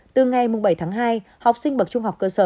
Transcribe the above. từ ngày bảy tháng hai học sinh bậc trung học cơ sở